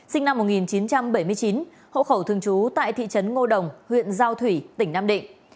sinh năm một nghìn chín trăm bảy mươi chín hộ khẩu thường trú tại thị trấn ngô đồng huyện giao thủy tỉnh nam định